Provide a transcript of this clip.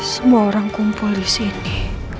semua orang kumpul disini